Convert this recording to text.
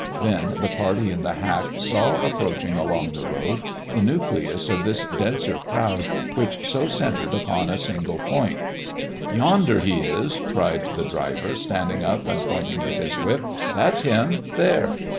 Then the party in the hack saw approaching along the road the nucleus of this denser crowd which so centred about a single point. "Yonder He is," cried the driver, standing up and pointing with his whip. "That's Him, there."